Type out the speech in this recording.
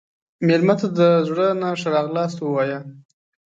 مېلمه ته د زړه نه ښه راغلاست ووایه.